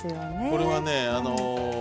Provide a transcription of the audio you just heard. これはね